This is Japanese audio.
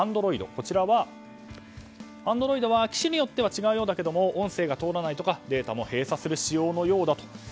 こちらは機種によっては違うようだけれど音声が通らないとかデータも閉鎖する仕様のようだと。